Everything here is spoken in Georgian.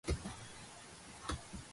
თარიღდება გვიანი ანტიკური ხანით.